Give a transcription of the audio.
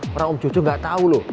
pernah om jojo gak tau loh